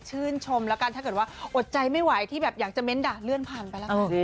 ชมแล้วกันถ้าเกิดว่าอดใจไม่ไหวที่แบบอยากจะเน้นด่าเลื่อนผ่านไปแล้ว